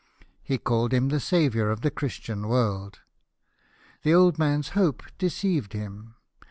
He called him the saviour of the Christian world. The old man's hope deceived him RETURN TO ENGLAND.